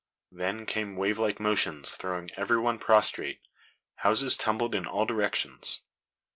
Then came wave like motions throwing every one prostrate. Houses tumbled in all directions.